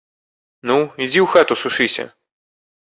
Ну, ідзі ў хату сушыся.